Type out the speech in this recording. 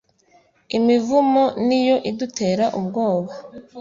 imivumo niyo idutera ubwoba